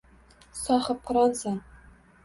Sohibqironsan.